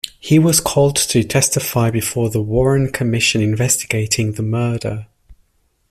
He was called to testify before the Warren Commission investigating the murder.